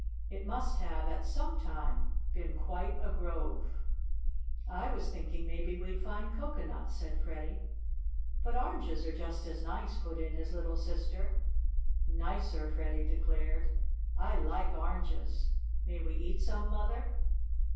It must have, at some time, been quite a grove." "I was thinking maybe we'd find cocoanuts," said Freddie. "But oranges are just as nice," put in his little sister. "Nicer," Freddie declared. "I like oranges. May we eat some, Mother?"